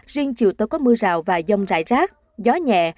riêng chiều tối có mưa rào và dông rải rác gió nhẹ